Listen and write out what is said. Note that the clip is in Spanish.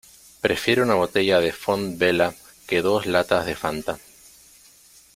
Prefiero una botella de Font Vella que dos latas de Fanta.